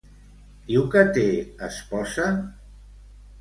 Diu que té esposa?